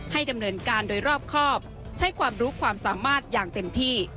ดำเนินการโดยรอบครอบใช้ความรู้ความสามารถอย่างเต็มที่